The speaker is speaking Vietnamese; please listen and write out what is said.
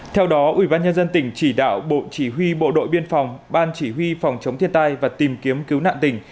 theo đó ubnd tỉnh chỉ đạo bộ chỉ huy bộ đội biên phòng ban chỉ huy phòng chống thiên tai và tìm kiếm cứu nạn tỉnh